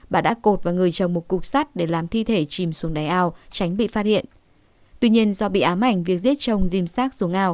bà đã cột vào người chồng một cục sắt để làm thi thể chìm xuống đáy ao tránh bị phát hiện